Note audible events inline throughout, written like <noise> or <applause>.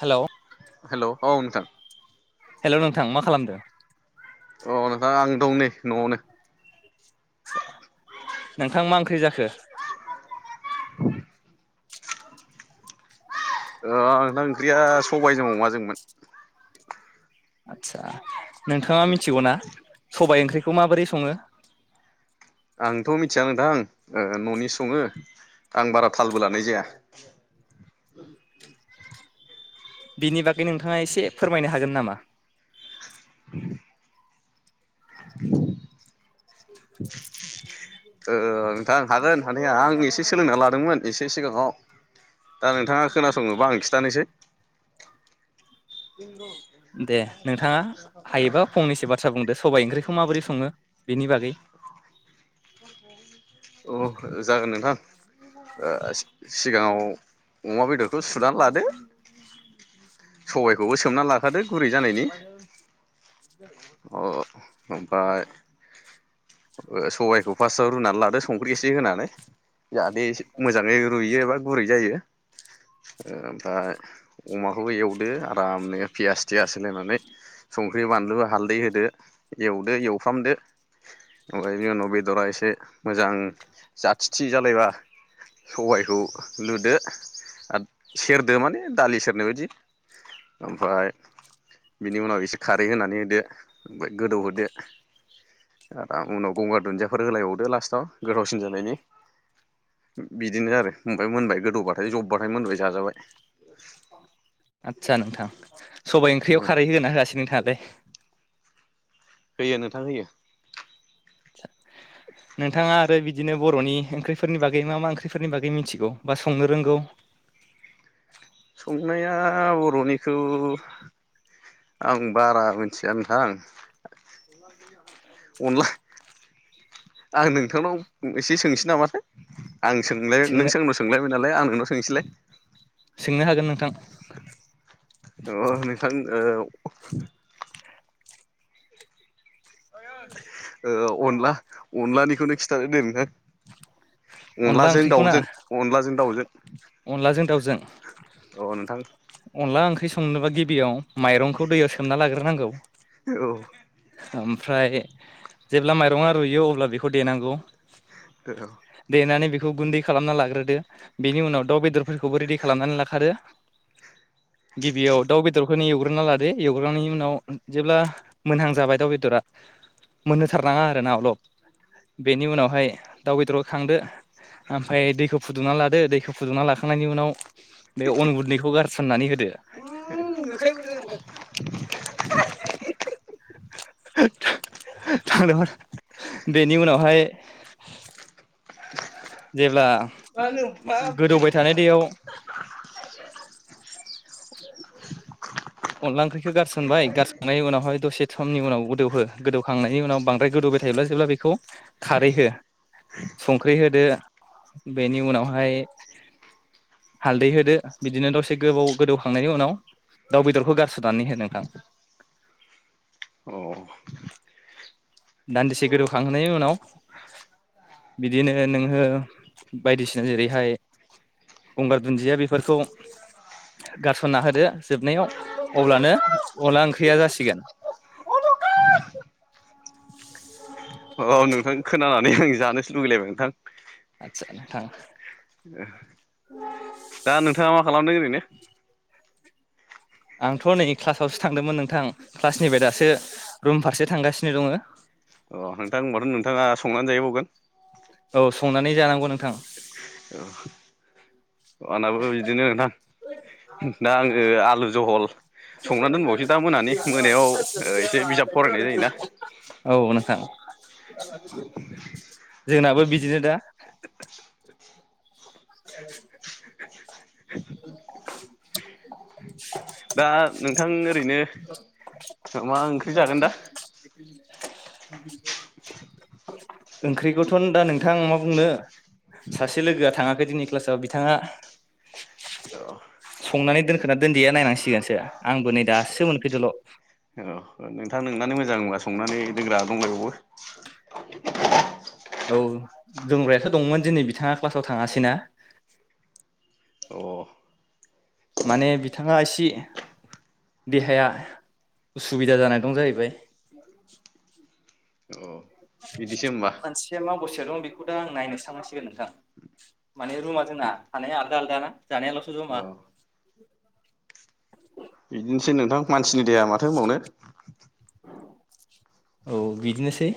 Hello hello औ नोंथां hello नोंथां मा खालामदों? अ नोंथां आं दं नै न'आवनो नोंथां मा ओंख्रि जाखो? <inaudible> <inaudible> आंना ओंख्रिया सबाइजों अमाजोंमोन। आदसा नोंथाङा मिथिगौना सबाइ ओंख्रिखौ माबोरै सङो आंथ' मिथिया नोंथां न'नि सङो आं बारा थालबो लानाय जाया बिनि बा गै नोंथाङा एसे फोरमायनो हागोन नामा? <inaudible> <unintelligible> नोंथां हागोन हानाया आं एसे सोलोंना लादोंमोन एसे सिगाङाव दा नोंथाङा खोनासङोबा आं खिथानोसै। <inaudible> दे नोंथाङा सबाइ ओंख्रिखौ माबोरै सङो बेनि बागै अ जागोन नोंथां। सिगाङाव अमा बेदरखौ सुनानै लादो <unintelligible> सबायखौबो सोमना लाखादो गुरै जानायनि अ ओमफ्राय सबायखौ फार्स्टआव रुनानै लादो संख्रि एसे होनानै। जाहाथे मोजाङै रुइयो बा गुरै जायो। ओमफ्राय अमा बेखौ एवदो आरामनो पियास थियास होलायनानै संख्रि बानलु हालदै होदो एवदो एवफ्रामदो ओमफ्राय बिनि उनाव बेदरा एसे मोजां जाथिथि जालायबा सबायखौ लुदो आरो सेरदो माने दालि सेरनाय बायदि। ओमफ्राय बिनि उनाव एसे खारै होनानै होदो ओमफ्राय गोदौहोदो आ उनाव गंगार दुन्दियाफोर होलायबावदो लास्टाव गोथावसिन जानायनि बिदिनो आरो ओमफ्राय मोनबाय गोदौबाथाय जबबाथाय मोनबाय जाजाबाय। आदसा नोंथां सबाइ ओंख्रियाव खारै होगोना होआसै नोंथाङालाय। होयो नोंथां होयो आथसा नोंथाङा आरो बिदि। बिदिनो बर'नि ओंख्रिफोरनि बागै मा मा ओंख्रिफोरनि बागै मिथिगौ बा संनो रोंगौ? संनाया बर'निखौ आं बारा मिथिया नोंथां अनला आं नोंथांनाव एसे सोंनोसै नामाथाय? आं सोंलाय सोंनो नोंंनाव सोंलायबाय नाय आं नोंनाव सोंनोसैलाय सोंनो हागोन नोंथां अ नोंथां ओ ओ अनला अनलानिखौनो खिन्थानो दे नोङो अनला अनलाजों ओंख्रिखौ ना दाउजों अन्लाजों दाउजों अनलाजों दाउजों अ नोंथां अनला ओंख्रि संनोबा गिबियाव माइरंखौ दैयाव सोमना लाग्रोनांगौ औ ओमफ्राय जेब्ला माइरङा रुइयो अब्ला बेखौ देनांगौ देनानै बेखौ गुन्दै खालामना लाग्रोदो बेनि उनाव दाउ बेदरफोरखौबो रेडि खालामनानै लाखादो गिबियाव दाउ बेदरखौ बेखौनो एवग्रोना लादो एवग्रांनायनि उनाव जेब्ला मोनहां जाबाय दाउ बेदरा मोननोथारनाङा आरोना अराव बेनि उनावहाय दाउ बेदर खांदो ओमफ्राय दैखौ फुदुंना लादो दैखौ फुदुंना लाखो थांनायनि उनाव बे अन गुन्दैखौ गार सननानै होदों दे <unintelligible> थांदोंमोन बेनि उनावहाय जेब्ला गोदौबाय थानाय दैयाव <inaudible> अनला ओंख्रिखौ गारसनबाय गारसननायनि उनावहाय दसे समनि उनाव गोदौहो गोदौखांनायनि उनाव बांद्राय गोदौबाय थायोब्ला जेब्ला बेखौ खारै हो संख्रि होदो बेनि उनावहाय हालदै होदो बिदिनो दसे गोबाव गोदौखांनायनि उनाव दाउ बेदरखौ गारसोनानै हो नोंथां औ दान्दिसे गोदौखांहोननि उनाव बिदिनो नोङो बायदिसिना जेरैहाय गंगार दुन्दिया बेफोरखौ गारसनना होदो जोबनायाव अब्लानो अनला ओंख्रिया जासिगोन औ नोंथां खोनानानै आं जानोसो लुगैलायबाय नोंथां आदसा नोंथां दा नोंथाङा मा खालामदों ओरैनो आंथ' नै क्लासावसो थांदोंमोन नोंथां क्लासनिफ्राय दासो रुम फारसे थांगासिनो दङ अ नोंथां होनबाथ' नोंथाङा संनानै जाहैबावगोन औ संनानै जानांगौ नोंथां <unintelligible> आनाबो बिदिनो ना दा आङो आलु जहल संनानै दोनबावसै दा मोनानि मोनायाव इसे बिजाब फरायनाय जायोना औ नोंथां जोंनाबो बिदिनो दा <inaudible> <inaudible> दा नों थां ओरैनो मा ओंख्रि जागोन दा? ओंख्रिखौथ' नों दा नोंथां मा बुंनो सासे लोगोआ थाङाखै दिनि क्लासाव बिथाङा औ संनानै दोनखोना दोनदिया नायनांसिगोनसो आंबो नै दासो मोनफैदोल' औ नोंथां नोंनानो मोजां ओमबा संनानै दोनग्रा दंलायबावो औ दोंग्रायाथ' दंमोन दिनै बिथाङा क्लासाव थाङासैना अ माने बिथाङा इसि देहाया उसुबिदा जाना दं जाहैबाय औ बिदिसो होमबा मानसिया माबसे दं? बेखौदा आं नायनोसो थांनांसिगोन नोंथां माने रुमा जोंना थानाया आलदा आलदाना जानायाल'सो अ जमा बिदिनोसै नोंथां मानसिनि देहा माथो होनबावनो औ बिदिनोसै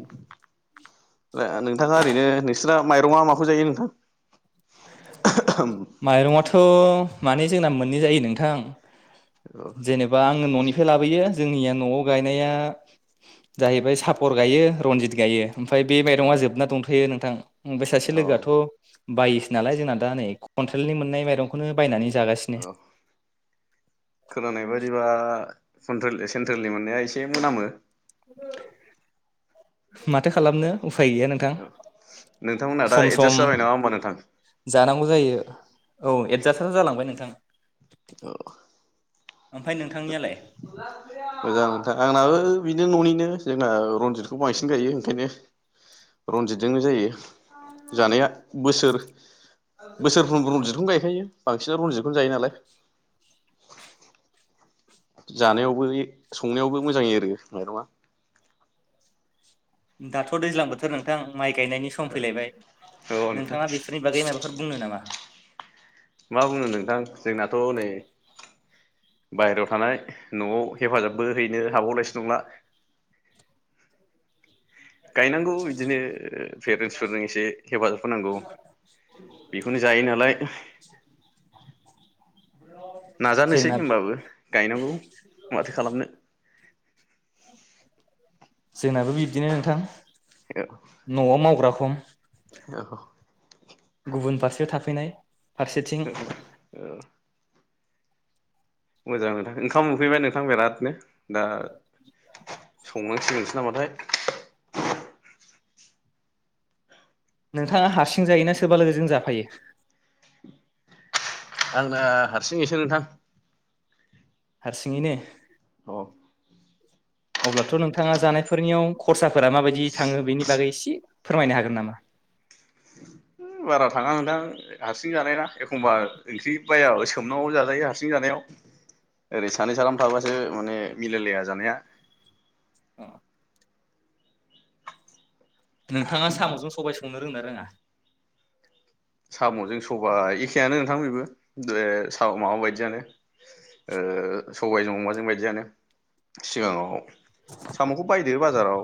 <unintelligible> नोंथाङा ओरैनो नोंसिना माइरङा माखौ जायो नोंथां? माइरंआथ' माने जोंना मोननै जायो नोंथां औ जेनेबा आङो न'नि खोलाबोयो जोंनिया न'आव गायनाया जाहैबाय सापर गायो रनजित गायो ओमफाय बे माइरङा जोबना दंथ''यो नों थां ओमफाय सासे औ लोगोआथ' बाइस नालाय जोंना दा नै खनथ्रेलनि मोननाय माइरंखौनो बायनानै जा गासिनो औ खोनानाय बादिबा कन्ट्रेल एसेन्ट्रेलनि मोननाया एसे मोनामो माथो खालामनो उफाय गैया नोंथां औ नोंथांमोनहा दा सम सम एडजास्ट जाबाय नामा होमबा नोंथां? <unintelligible> जायो औ एडजास्टआथ' जालांबाय नोंथां ओमफ्राय नोंथांनियालाय <unintelligible> मोजां नोंथां आंनाबो बिनो न'निनो जोंना रनजितखौ बांसिन गायो ओंखायनो रनजितजोंनो जायो औ जानाया बोसोर बोसोरफ्रोमबो रनजितखौनो गायखायो बांसिन रनजितखौनो जायो नालाय। जानायावबो संनायावबो मोजाङ आरो माइरंङा दाथ' दैज्लां बोथोर नोंथां माइ गायनायनि सम फैलायबाय औ नोंथां नोंथाङा बेफोरनि बागै माबाफोर बुंनो नामा? मा बुंनो नोंथां जोंनाथ' नै बायेरायाव थानाय न'आव हेफाजाबबो हैनो हाबावनायसो नंला। गायनांगौ बिदिनो ओ पेरेन्टसफोरजों एसे हेफाजाब होनांगौ बेखौनो जायो नालाय नाजानोसै जोंना होनबाबो गायनांगौ माथो खालामनो। जोंनाबो बि बिदिनो नोंथां न'आव मावग्रा खम <inaudible> औ। गुबुन फारसेयाव थाफैनाय फारसेथिं औ मोजां नोंथां ओंखाम उखैबाय नोंथां बिरादनो दा संनांसिगोनसो नामाथाय? नोंथाङा हारसिं जायोना सोरबा लोगोजों जाफायो? आंना हारसिङैसो नोंथां। हारसिङैनो औ। अब्लाथ' नोंथाङा जानायफोरनियाव खरसा फोर माबायदि थाङो बेनि बागै एसे फोरमायनो हागोन नामा? बारा थाङा नोंथां हारसिं जानाय ना एखमबा ओंख्रि बायाब सोमनानैबो जाजायो हारसिं जानायाव ओरै सानै साथाम थाबासो माने मिलायलाया जानाया। उम। नोंथाङा साम'जों सबाय स संनो रोंङोना रोङा? साम'जों सबाइ एखेयानो नोंथां बेबो बे स माबा बायदियानो ओ सबायजों अमाजों बायदियानो सिङाव। साम'खौ बायदो बाजाराव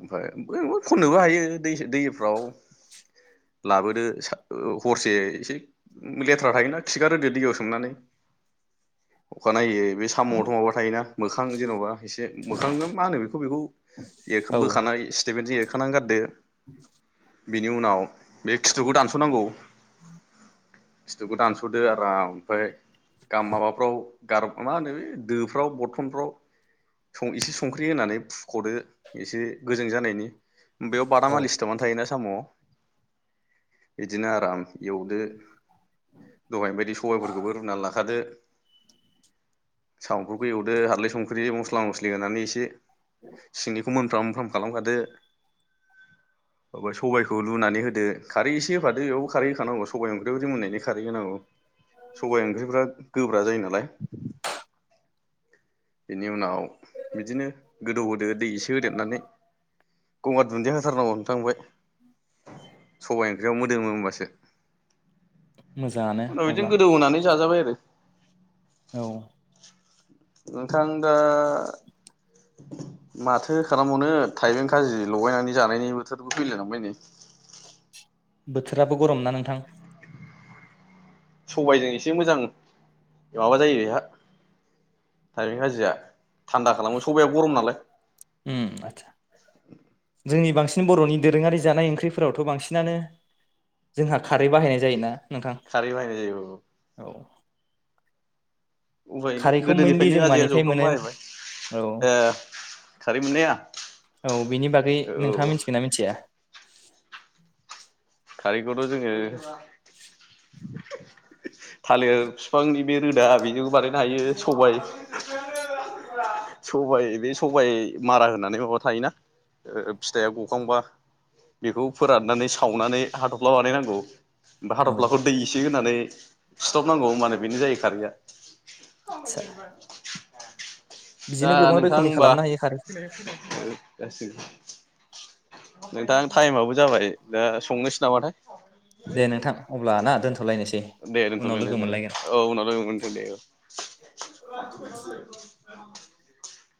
ओमफ्राय खननोबो हायो दै दैफ्राव। लाबोदो हरसे एसे लेथ्रा थायोना खिगारोदो दैयाव सोमनानै। अखानायै बे साम'आवथ' माबा थायोना? मोखां जेन'बा एसे मोखांखौ मा होनो बेखौ बेखौ एर औ बोखानाय स्टेटमेन्टजों एरख खानानै गारदो। <inaudible> बिनि उनाव बे खिथुखौ दानस'नांगौ। <inaudible> फिथुखौ दानस'दो आराम ओमफफ्राय गाम माबाफ्राव गार मा होनो बे दोफ्राव बरथनफ्राव एसे संख्रि होनानै फुख'दो एसे गोजों जानायनि। बेयाव औ बादामालि सिथाबना थायोना। साम' बिदिनो आराम एवदो दहायनि बायदि सबायफोरखौबो रुनानै लाखादो सामफोरखौ एवदो हालदै संख्रि मस्ला मस्लि होनानै एसे सिनि मोनफ्राम मोनफ्राम खालामखादो <unintelligible> सबायखौ लुनानै होदो। दो खारि गारि होफादो बेयावबो खारै होखानांगौ सबाइ ओंख्रिवाव <unintelligible> मोननायनि खारै होनांगौ सबाइ ओंख्रिफ्रा गोब्रा जायो नालाय बेनि उनाव बिदिनो गोदौ होदो दै एसे होदेरनानै गंगार दुन्दि होथारनांगौ नोंथां इनिफ्राय सबाइ ओंख्रि मा मोदोमो होमबासो मोजाङानो उनाव बिदिनो अब्ला गोदौ होनानै जाजाबाय आरो <inaudible> औ नोंथां दा माथो खालामबावनो थाइबें खाजि लगायनानै जानायनि बोथोर फैलाय लांबाय नै बोथोराबो गरम ना नोंथां सबाइजों एसे मोजां माबा जायो बेहा थाइबें खाजिया थान्दा खालामो सबाया गरम उम नालाय न बर'नि दोरोङारि जानाय ओंख्रिफोरावथ' बांसिनानो जोंहा खारै बाहायनाय जायोना? नोंथां खारै बाहायनाय जायो औ औ उफाय गैया खारैखौ मेनलि गोदोनिफ्रायनो जों आजै मानिफ्राय आजौफ्रानो मोनो बाहायबाय औ ओ खारै मोननाया औ बेनि बागै नोंथाङा औ मिथिगोन ना मिथिया? खारैखौथ' जोङो <unintelligible> थालिर फिफांनि बे रोदा बेजोंबो बा हायो <unintelligible> बे सबाइ मारा होनानै माबा थायोना फिथाइया गखांबा बेखौ फोराननानै सावनानै हा थफ्ला बानायनांगौ। हा औ थफ्लाखौ दै एसे होनानै सिथफ नांगौ ओमबानो बेनो जायो खारैया <inaudible> आदसा दा बिदिनो गोबां नोंथां रोखोमनि ओमबा खालामनो हायो खारो <unintelligible> नोंथां टाइमाबबो जाबाय दा संनोसै नामाथाय दे नोंथां अब्ला ना दोनथ दे दोनथलायनाय जाबाय औ उनाव लोगो मोनगोन दे। औ